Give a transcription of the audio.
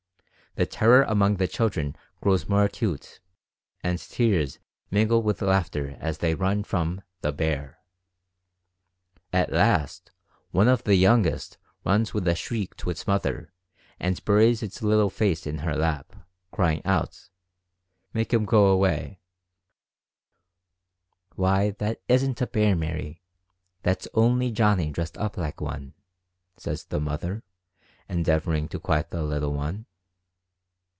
The terror among the children grows more acute, and tears mingle with laughter as they run from the "bear." At last one of the youngest runs with a shriek to its mother and buries its little face in her lap, crying out, "Make him go 'way/' "Why, that isn't a bear, Mary — that's only Johnny dressed up like one," says the mother, endeav oring to quiet the little one.